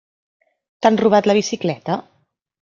T'han robat la bicicleta?